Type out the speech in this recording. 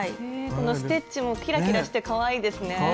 このステッチもキラキラしてかわいいですね。